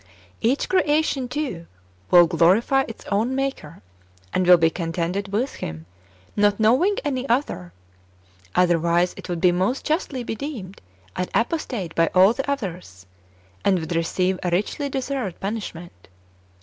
Each creation, too, will glorify its own maker, and w^ill be contented with him, not knowing any other ; other wise it would most justly be deemed an apostate by all the others, and would receive a richly deserved punishment.